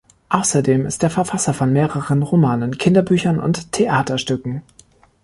Außerdem ist er Verfasser von mehreren Romanen, Kinderbüchern und Theaterstücken.